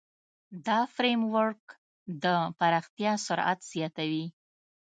دا فریم ورک د پراختیا سرعت زیاتوي.